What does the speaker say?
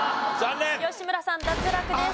吉村さん脱落です。